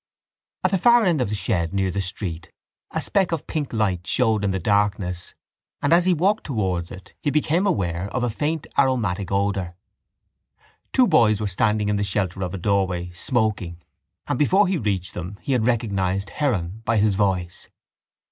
At the far end of the shed near the street a speck of pink light showed in the darkness and as he walked towards it he became aware of a faint aromatic odour. Two boys were standing in the shelter of a doorway, smoking, and before he reached them he had recognised Heron by his voice.